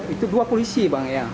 itu dua polisi bang ya